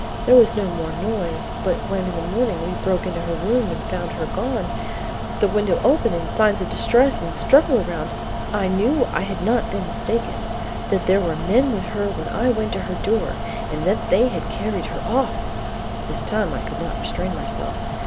There was no more noise, but when in the morning we broke into her room and found her gone, the window open and signs of distress and struggle around, I knew I had not been mistaken; that there were men with her when I went to her door, and that they had carried her off " This time I could not restrain myself.